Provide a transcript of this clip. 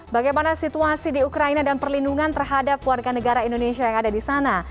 bagaimana situasi di ukraina dan perlindungan terhadap warga negara indonesia yang ada di sana